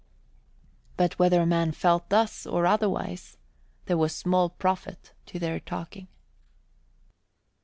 But whether a man felt thus or otherwise, there was small profit of their talking.